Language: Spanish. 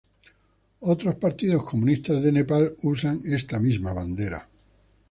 Otros partidos comunistas de Nepal usan esta misma bandera.